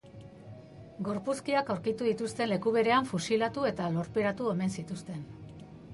Gorpuzkiak aurkitu dituzten leku berean fusilatu eta lurperatu omen zituzten.